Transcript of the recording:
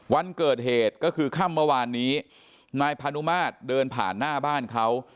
วันเกิดเหตุก็คือค่ำเมื่อวานนี้นายพานุมาตรเดินผ่านหน้าบ้านเขา